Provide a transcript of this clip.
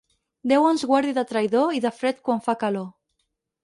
Déu ens guardi de traïdor i de fred quan fa calor.